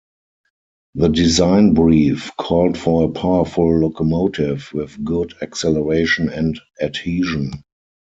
The design brief called for a powerful locomotive with good acceleration and adhesion.